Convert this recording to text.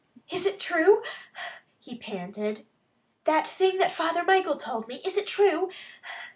"Is it true?" he panted. "That thing Father Michael told me, is it true?